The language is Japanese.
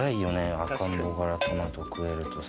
赤ん坊からトマト食えるってさ。